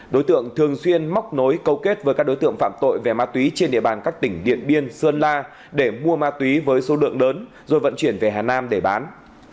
đối tượng thường xuyên móc nối câu kết với các đối tượng phạm tội về ma túy trên địa bàn các tỉnh điện biên sơn la để mua ma túy với số lượng lớn rồi vận chuyển về hà nam để bán